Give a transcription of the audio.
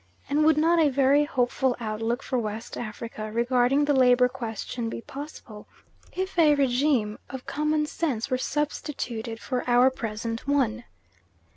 And would not a very hopeful outlook for West Africa regarding the labour question be possible, if a regime of common sense were substituted for our present one?